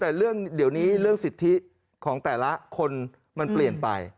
แต่เรื่องเดี๋ยวนี้เรื่องสิทธิของแต่ละคนมันเปลี่ยนไป